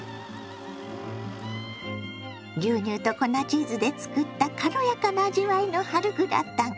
牛乳と粉チーズで作った軽やかな味わいの春グラタン。